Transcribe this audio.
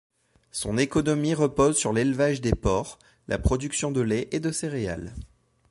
Son économie repose sur l'élevage des porcs, la production de lait et de céréales.